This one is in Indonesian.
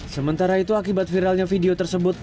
sementara itu akibat viralnya video tersebut